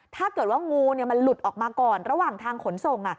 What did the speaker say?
ถ้าเกิดว่างูมันหลุดออกมาก่อนระหว่างทางขนส่ง